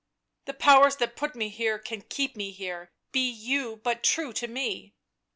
" The powers that put me here can keep me here — be you but true to me !"